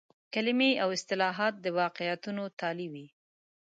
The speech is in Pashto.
کلمې او اصطلاحات د واقعیتونو تالي وي.